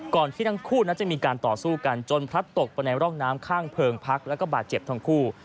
ที่ทั้งคู่นั้นจะมีการต่อสู้กันจนพลัดตกไปในร่องน้ำข้างเพลิงพักแล้วก็บาดเจ็บทั้งคู่